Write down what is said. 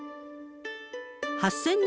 ８０００年